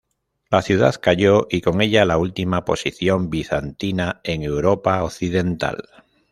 La ciudad cayó, y con ella la última posición bizantina en Europa Occidental.